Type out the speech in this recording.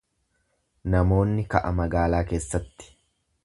Namoonni ka'a magaalaa keessatti.